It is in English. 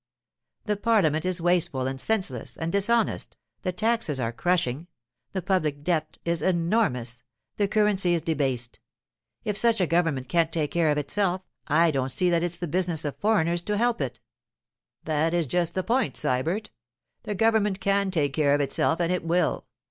The parliament is wasteful and senseless and dishonest, the taxes are crushing, the public debt is enormous, the currency is debased. If such a government can't take care of itself, I don't see that it's the business of foreigners to help it.' 'That is just the point, Sybert. The government can take care of itself and it will.